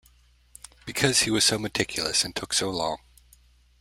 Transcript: Because he was so meticulous and took so long.